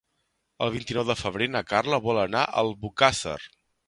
El vint-i-nou de febrer na Carla vol anar a Albocàsser.